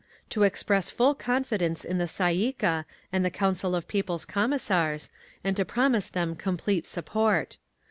To express full confidence in the Tsay ee kah and the Council of People's Commissars, and to promise them complete support.